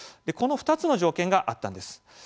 この２つの条件があったんです。